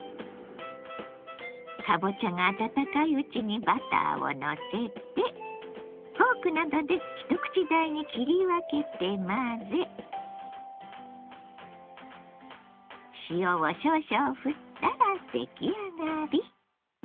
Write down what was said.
かぼちゃが温かいうちにバターをのせてフォークなどで一口大に切り分けて混ぜ塩を少々ふったら出来上がり。